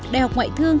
đại học ngoại thương